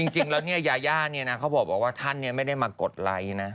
จริงแล้วยาย่าเนี่ยนะเขาบอกว่าท่านไม่ได้มากดไลค์นะ